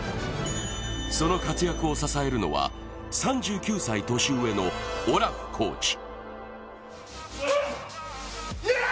その活躍を支えるのは３９歳年上のオラフコーチ。